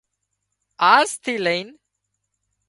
آزٿِي لئين